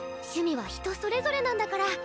趣味は人それぞれなんだから。